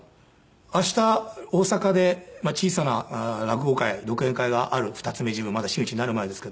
明日大阪で小さな落語会独演会がある二ツ目時分まだ真打ちになる前ですけど。